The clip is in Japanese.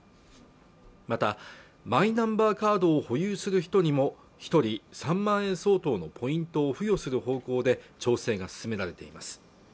またマイナンバーカードを保有する人にも一人３万円相当のポイントを付与する方向で調整が進められています